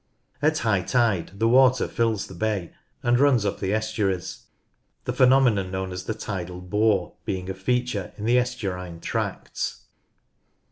At high tide the water fills the bay, and runs up the estuaries, the phenomenon known as the tidal bore being a feature in the estuarine tracts.